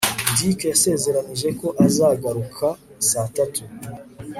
dick yasezeranije ko azagaruka saa tatu